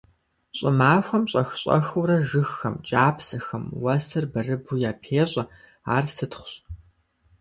Щӏымахуэм щӏэх-щӏэхыурэ жыгхэм, кӏапсэхэм уэсыр бырыбу япещӏэ, ар сытхъущ.